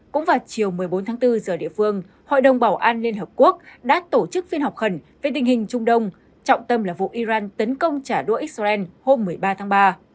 cũng vào chiều một mươi bốn tháng bốn giờ địa phương hội đồng bảo an liên hợp quốc đã tổ chức phiên họp khẩn về tình hình trung đông trọng tâm là vụ iran tấn công trả đũa israel hôm một mươi ba tháng ba